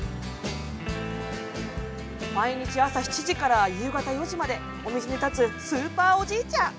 毎日朝７時から夕方４時までお店に立つスーパーおじいちゃん。